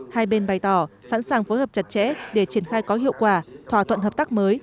hai bên bày tỏ sẵn sàng phối hợp chặt chẽ để triển khai có hiệu quả thỏa thuận hợp tác mới